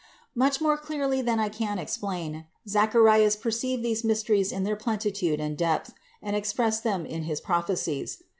297. Much more clearly than I can explain, Zacharias perceived these mysteries in their plenitude and depth, and expressed them in his prophecies.